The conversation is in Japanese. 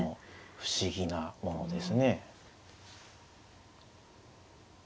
不思議なものですね。